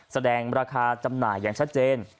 แสดงราคาจำหน่ายอย่างชัดเจน